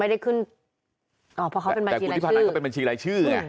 ไม่ได้ขึ้นอ๋อเพราะเขาเป็นบัญชีรายชื่อแต่คุณที่พานั่นก็เป็นบัญชีรายชื่ออืมใช่